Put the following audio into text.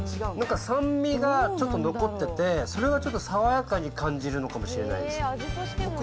なんか酸味がちょっと残ってて、それがちょっと爽やかに感じるのかもしれないです。